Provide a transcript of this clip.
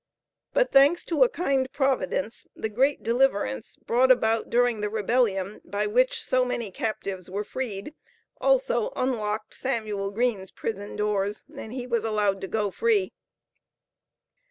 But thanks to a kind Providence, the great deliverance brought about during the Rebellion by which so many captives were freed, also unlocked Samuel Green's prison doors and he was allowed to go free.